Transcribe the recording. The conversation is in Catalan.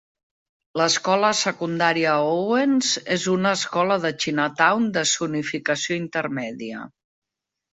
L'escola secundària Owens és una escola de Chinatown de zonificació intermèdia.